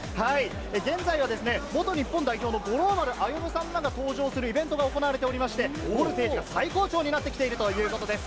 現在は元日本代表の五郎丸歩さんらが登場するイベントが行われておりまして、ボルテージが最高潮になってきているということです。